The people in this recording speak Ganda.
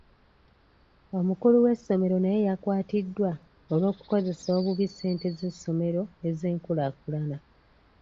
Omukulu w'essomero naye yakwatiddwa olw'okukozesa obubi ssente z'essomero ez'enkulaakulana.